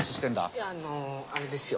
いやあのあれですよ。